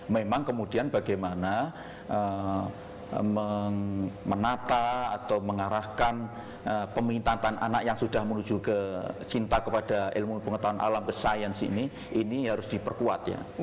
memang kemudian bagaimana menata atau mengarahkan pemintaan tanah yang sudah menuju ke cinta kepada ilmu pengetahuan alam ke sains ini ini harus diperkuat ya